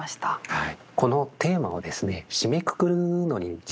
はい。